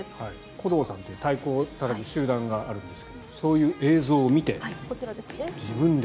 鼓童さんっていう太鼓をたたく集団があるんですがそういう映像を見て自分で。